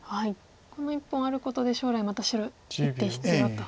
この１本あることで将来また白１手必要と。